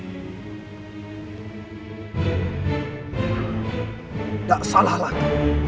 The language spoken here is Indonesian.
tidak salah lagi